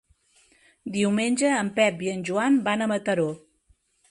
Diumenge en Pep i en Joan van a Mataró.